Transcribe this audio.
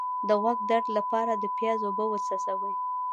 د غوږ درد لپاره د پیاز اوبه وڅڅوئ